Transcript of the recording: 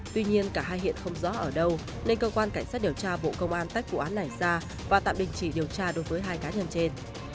tuy nhiên cả hai hiện không rõ ở đâu nên cơ quan cảnh sát điều tra bộ công an tách vụ án này ra và tạm đình chỉ điều tra đối với hai cá nhân trên